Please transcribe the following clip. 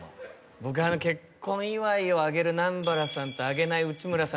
僕は結婚祝いをあげる南原さんとあげない内村さん。